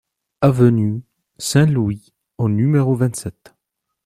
Avenue Saint-Louis au numéro vingt-sept